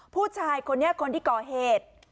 ผู้ชายคนนี้คนที่ก่อเหตุ